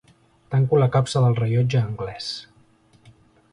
Tanco la capsa del rellotge anglès.